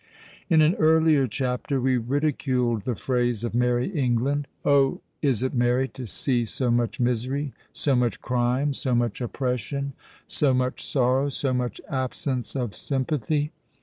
In an earlier chapter we ridiculed the phrase of "Merry England." Oh! is it merry to see so much misery—so much crime—so much oppression—so much sorrow—so much absence of sympathy?